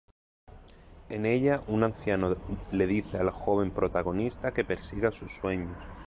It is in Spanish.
En ella, un anciano le dice al joven protagonista que persiga sus sueños.